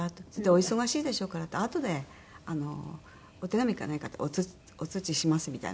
「お忙しいでしょうからあとでお手紙か何かでお通知します」みたいな感じで。